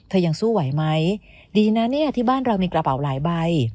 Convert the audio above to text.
ยังสู้ไหวไหมดีนะเนี่ยที่บ้านเรามีกระเป๋าหลายใบ